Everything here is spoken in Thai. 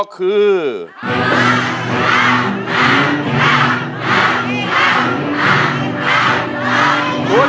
ช่วย